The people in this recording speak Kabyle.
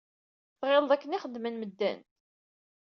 Tɣileḍ akken i xeddmen medden?